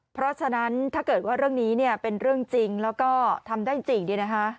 เพราะฉะนั้นถ้าเกิดว่าเรื่องนี้เป็นเรื่องจรไจม์แล้วก็ทำได้จริงดีนะฮะ